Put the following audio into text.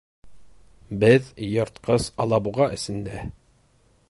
— Беҙ йыртҡыс алабуға эсендә.